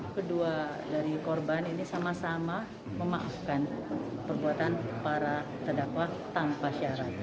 kedua dari korban ini sama sama memaafkan perbuatan para terdakwa tanpa syarat